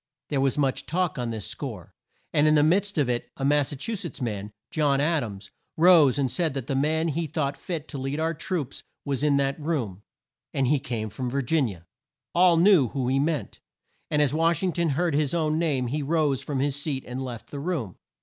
There was much talk on this score, and in the midst of it a Mas sa chu setts man, John Ad ams, rose and said that the man he thought fit to lead our troops was in that room, and he came from Vir gin i a. All knew whom he meant, and as Wash ing ton heard his own name he rose from his seat and left the room.